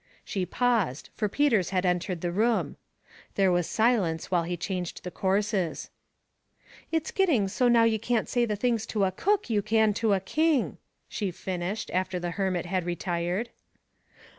She paused, for Peters had entered the room. There was silence while he changed the courses. "It's getting so now you can't say the things to a cook you can to a king," she finished, after the hermit had retired.